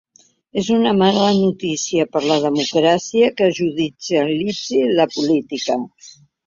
És una mala noticia per la democràcia que es judicialitzi la política.